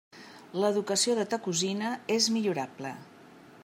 L'educació de ta cosina és millorable.